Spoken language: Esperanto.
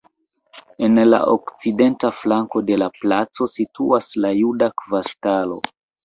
En la okcidenta flanko de la placo situas la juda kvartalo.